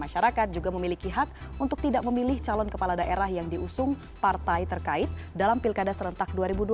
masyarakat juga memiliki hak untuk tidak memilih calon kepala daerah yang diusung partai terkait dalam pilkada serentak dua ribu dua puluh